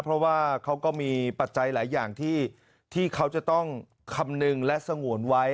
เพราะว่าเขาก็มีปัจจัยหลายอย่างที่เขาจะต้องคำนึงและสงวนไว้